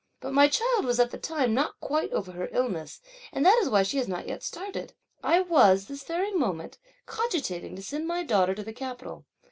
But my child was at the time not quite over her illness, and that is why she has not yet started. I was, this very moment, cogitating to send my daughter to the capital.